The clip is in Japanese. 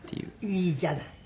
いいじゃない。